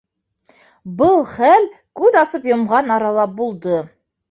Был хәл к үҙ асып йомған арала булды.